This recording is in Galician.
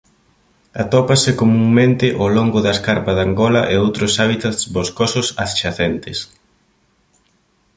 Atópase comunmente ó longo da escarpa de Angola e outros hábitats boscosos adxacentes.